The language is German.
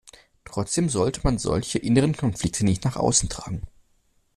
Trotzdem sollte man solche inneren Konflikte nicht nach außen tragen.